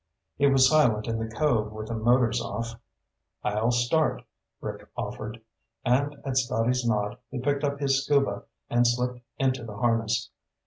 It was silent in the cove with the motors off. "I'll start," Rick offered, and at Scotty's nod he picked up his Scuba and slipped into the harness.